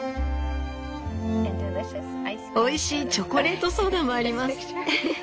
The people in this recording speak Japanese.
「おいしいチョコレートソーダもあります」